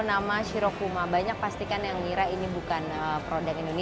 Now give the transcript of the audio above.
nah forwardnya datang nih kalo li beneath